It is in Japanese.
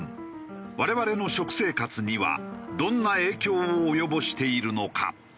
我々の食生活にはどんな影響を及ぼしているのか？